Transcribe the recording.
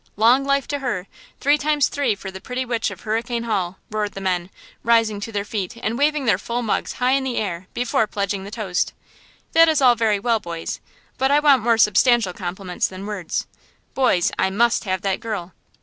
"Long life to her! three times three for the pretty witch of Hurricane Hall!" roared the men, rising to their feet and waving their full mugs high in the air, before pledging the toast. "That is all very well, boys; but I want more substantial compliments than words–boys, I must have that girl!"